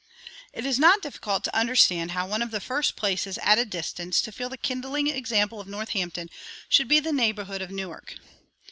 It is not difficult to understand how one of the first places at a distance to feel the kindling example of Northampton should be the neighborhood of Newark.